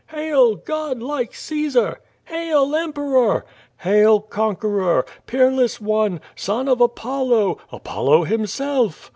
"Hail, godlike Caesar! Hail Emperor! Hail Conqueror, Peerless one, Son of Apollo, Apollo himself!"